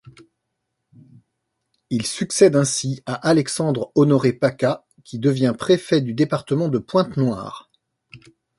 Il succède ainsi à Alexandre Honoré Paka, qui devient préfet du département de Pointe-Noire.